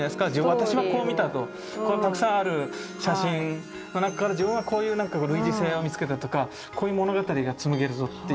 私はこう見たとたくさんある写真の中から自分はこういう類似性を見つけたとかこういう物語が紡げるぞっていう。